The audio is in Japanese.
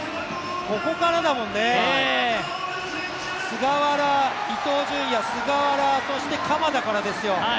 ここからだもんね、菅原、伊東純也、菅原、そして鎌田からですよ。